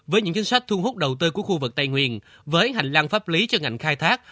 với những chính sách thu hút đầu tư của khu vực tây nguyên với hành lang pháp lý cho ngành khai thác